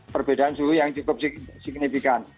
perbedaan suhu yang cukup signifikan